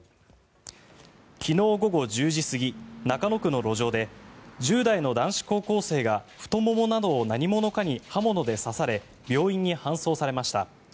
昨日午後１０時過ぎ中野区の路上で１０代の男子高校生が太ももなどを何者かに刃物で刺され病院に搬送されました。